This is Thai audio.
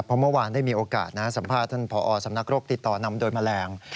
เพราะเมื่อวานได้มีโอกาสสัมภาษณ์ท่านผอสำนักโรคติดต่อนำโดยแมลง